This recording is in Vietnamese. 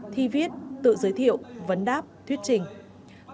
thi viết tự giới thiệu vấn đáp thuyết trình